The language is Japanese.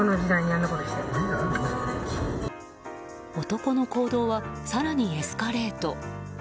男の行動は更にエスカレート。